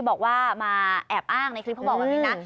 บอกว่ามาแอบอ้าง